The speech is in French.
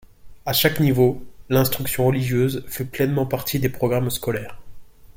À chaque niveau, l'instruction religieuse fait pleinement partie des programmes scolaires.